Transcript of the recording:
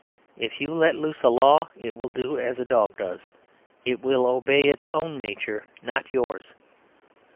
If you let loose a law, it will do as a dog does. It will obey its own nature, not yours.